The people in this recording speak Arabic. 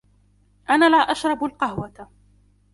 أنا لا أشرب القهوة.